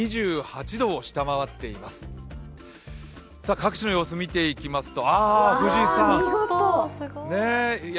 各地の様子見ていきますと富士山。